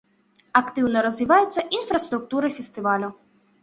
Актыўна развіваецца інфраструктура фестывалю.